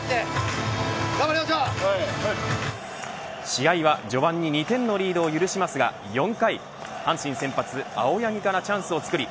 試合は序盤に２点のリードを許しますが、４回阪神先発青柳からチャンスを作り